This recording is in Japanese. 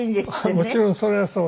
もちろんそれはそう。